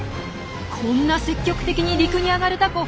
こんな積極的に陸に上がるタコ